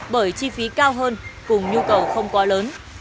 bởi chi phí cao hơn cùng nhu cầu không quá lớn